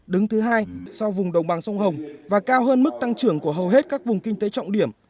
đứng thứ hai sau vùng đồng bằng sông hồng và cao hơn mức tăng trưởng của hầu hết các vùng kinh tế trọng điểm